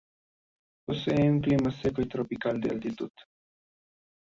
Posee un clima seco y tropical de altitud.